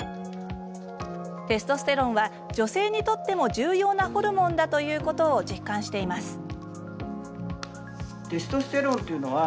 テストステロンは女性にとっても重要なホルモンだということを実感しています。